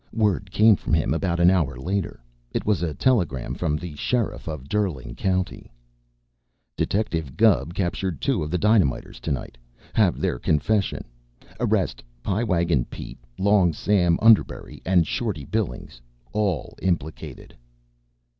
Word came from him about an hour later. It was a telegram from the Sheriff of Derling County: Detective Gubb captured two of the dynamiters to night. Have their confession. Arrest Pie Wagon Pete, Long Sam Underbury, and Shorty Billings. All implicated.